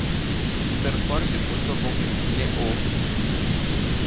Sper foarte mult că vom menține o...